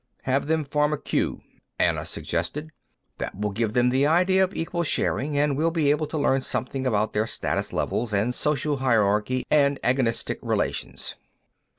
"Have them form a queue," Anna suggested. "That will give them the idea of equal sharing, and we'll be able to learn something about their status levels and social hierarchy and agonistic relations."